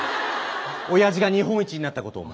おやじが日本一になったことお前。